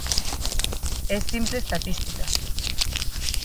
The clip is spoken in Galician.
É simple estatística.